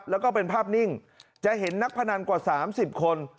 แล้วก็เป็นภาพนิ่งจะเห็นนักพนันกว่า๓๐คน